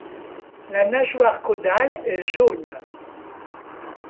La nageoire caudale est jaune.